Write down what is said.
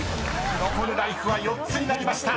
残るライフは４つになりました］